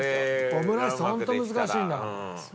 オムライスってホント難しいんだから。